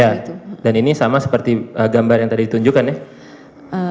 ya dan ini sama seperti gambar yang tadi ditunjukkan ya